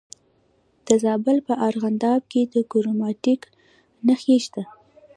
د زابل په ارغنداب کې د کرومایټ نښې شته.